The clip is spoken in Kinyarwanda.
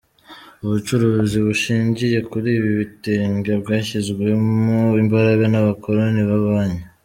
ubucuruzi bushingiye kuri ibi bitenge bwashyizwemmo imbaraga n’abakoroni b’abanya